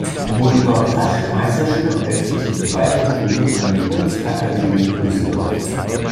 Er wurde dort rasch Meisterschüler und wechselte zu weiteren Studien an die Kunstakademie Düsseldorf.